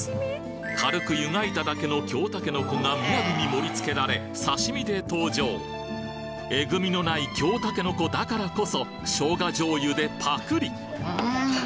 軽く湯がいただけの京たけのこが雅に盛り付けられ刺身で登場えぐみのない京たけのこだからこそ生姜醤油でパクリ！